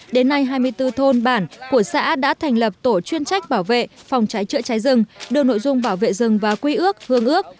đến nay hai mươi bốn thôn bản của xã đã thành lập tổ chuyên trách bảo vệ phòng cháy chữa cháy rừng đưa nội dung bảo vệ rừng và quy ước hương ước